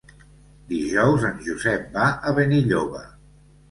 Dijous en Josep va a Benilloba.